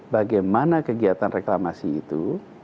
bagaimana kegiatan reklamasi itu